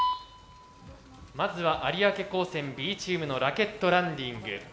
まずは有明高専Ｂチームの「ラケットランディング」。